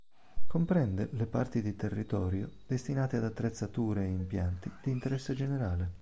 Comprende le parti di territorio destinate ad attrezzature e impianti di interesse generale.